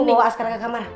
bawa askara ke kamar